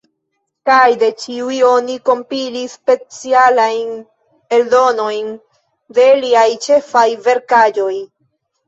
Kaj de ĉiuj oni kompilis specialajn eldonojn de iliaj ĉefaj verkaĵoj.